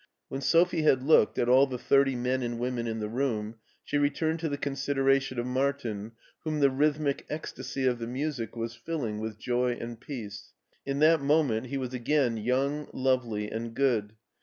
When Sophie had looked at all the thirty men and women in the room, she returned to the consideration of Martin, whom the rhythmic ecstasy of the music was filling with joy and peace. In that moment he was again young, lovely, and good.